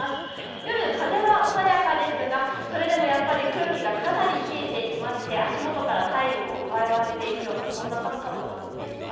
夜、風は穏やかですが、それでもやっぱり空気がかなり冷えていまして足元から体温を奪われていくようなそんな寒さとなっています。